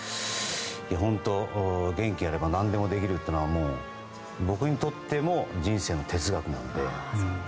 本当、元気があれば何でもできるというのは僕にとっても人生の哲学なので。